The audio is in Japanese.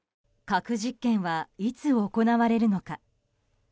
核実験はいつ行われるのか。